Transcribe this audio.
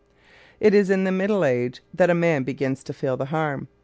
It is in his middle age that a man begins to feel the harm.